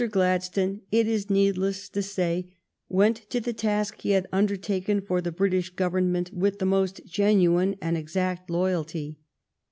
Gladstone, it is needless to say, went to the task he had undertaken for the British Govern ment with the most genuine and exact loyalty.